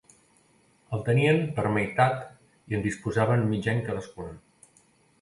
El tenien per meitat i en disposaven mig any cadascun.